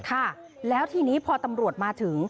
ค่ะแล้วทีนี้พอตำรวจมาถึง